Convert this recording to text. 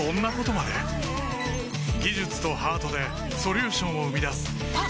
技術とハートでソリューションを生み出すあっ！